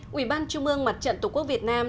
quỹ ban chung mương mặt trận tổ quốc việt nam